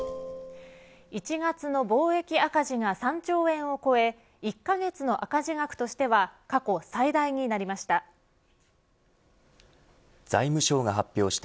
１月の貿易赤字が３兆円を超え１カ月の赤字額としては過去最大になりました。